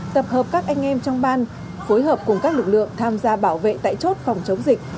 tập hợp các anh em trong ban phối hợp cùng các lực lượng tham gia bảo vệ tại chốt phòng chống dịch